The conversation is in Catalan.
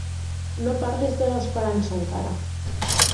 No parlis de l'esperança, encara.